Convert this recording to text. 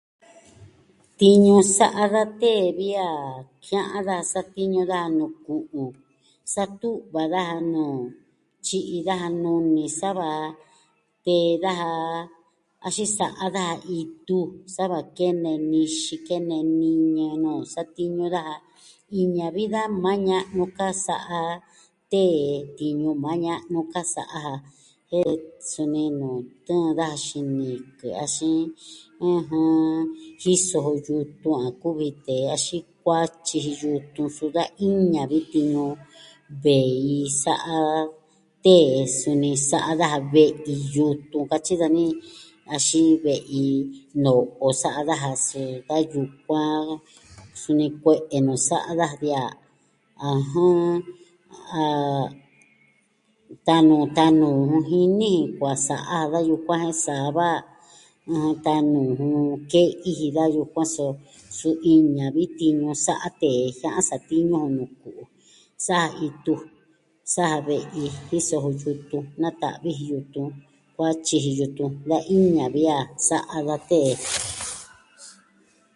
Tiñu sa'a da tee vi a jia'an da satiñu daja nuu ku'u sa tu'va daja noo, tyi'i daja nuni, sa va tee daja, axin sa'a daja, itu, sa va kene nixi, kene niñɨ nuu satiñu daja. Iña vi da maa ña'nu ka sa'a, tee tiñu maa ña'nu ka sa'a ja, jen suni nuu tɨɨn daja xinikɨ, axin ɨjɨn, jiso jo yutun, a kuvi tee axin kuatyi ji yutun suu da iña vi tiñu vei sa'a tee, suni sa'a daja ve'i yutun tun katyi dani, axin, ve'i no'o sa'a daja, sɨɨn da yukuan, suni kue'e nu sa'a daja vi a, ɨjɨn, a tanuu tanuu jun jini kua sa'a da yukuan jen sa va tanuu jun ke'i jin da yukuan, so, suu iña vi tinuu sa'a tee jia'an satiñu nuu ku'u. sa'a ja itu, sa'a ja ve'i, jiso jo yutun, nata'vi ji yutun, kuatyi ji yutun, da iña vi a sa'a da tee.